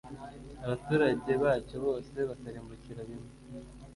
abaturage bacyo bose bakarimbukira rimwe